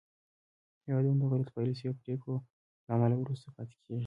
هېوادونه د غلطو پالیسیو او پرېکړو له امله وروسته پاتې کېږي